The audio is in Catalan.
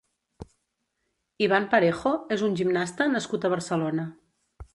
Ivan Parejo és un gimnasta nascut a Barcelona.